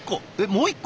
もう一個？